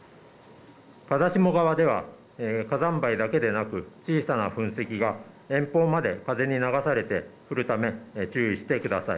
風下側では火山灰だけではなく小さな噴石が遠方まで風に流されて降るため注意してください。